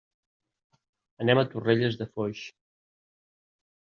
Anem a Torrelles de Foix.